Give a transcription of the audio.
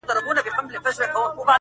کابل ورانېږي، کندهار ژاړي، زابل ژاړي~